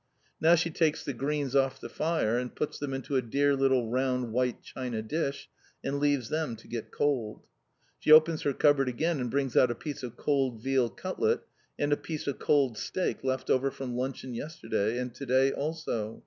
Now she takes the greens off the fire, and puts them into a dear little round white china dish, and leaves them to get cold. She opens her cupboard again and brings out a piece of cold veal cutlet and a piece of cold steak left over from luncheon yesterday, and to day also.